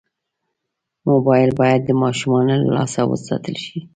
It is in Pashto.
موبایل باید د ماشومانو له لاسه وساتل شي.